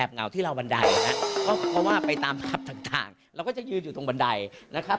เพราะว่าไปตามขับต่างเราก็จะยืนอยู่ตรงวันใดนะครับ